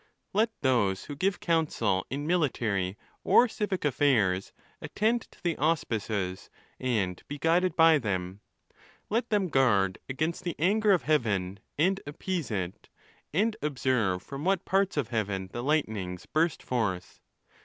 Let those who give counsel in military or civic affairs attend to the auspices, and be guided by them. Let them guard against the anger of heaven, and appease it; and observe from what parts of heaven the lightnings burst forth.